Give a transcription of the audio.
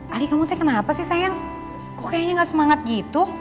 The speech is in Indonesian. adik kamu kenapa sih sayang kok kayaknya gak semangat gitu